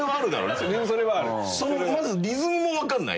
まずリズムもわかんない？